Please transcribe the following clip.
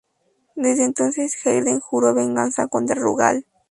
Desde entonces Heidern juró venganza contra Rugal.